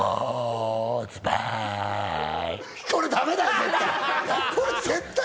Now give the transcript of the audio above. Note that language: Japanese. これダメだ、絶対。